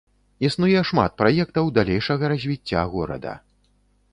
Існуе шмат праектаў далейшага развіцця горада.